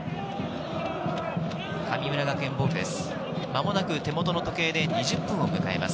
神村学園ボールです。